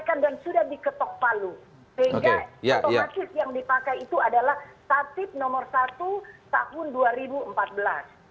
sehingga otomatis yang dipakai itu adalah tatib nomor satu tahun dua ribu empat belas